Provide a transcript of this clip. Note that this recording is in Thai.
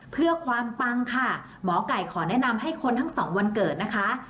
เพื่อความปังค่ะหมอไก่ขอแนะนำให้คนทั้งสองวันเกิดนะคะ